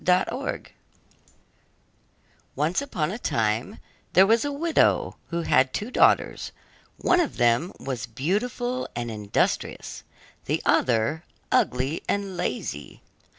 MOTHER HOLLE Once upon a time there was a widow who had two daughters; one of them was beautiful and industrious, the other ugly and lazy.